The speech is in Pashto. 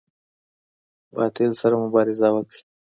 باطل سره مبارزه وکړئ.